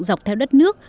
dọc theo đất nước